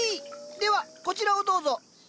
ではこちらをどうぞ。